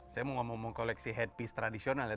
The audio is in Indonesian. saya mau ngomong mengkoleksi headpiece tradisional ya